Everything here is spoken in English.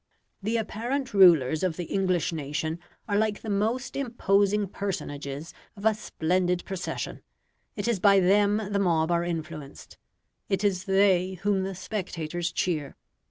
The apparent rulers of the English nation are like the most imposing personages of a splendid procession: it is by them the mob are influenced; it is they whom the spectators cheer.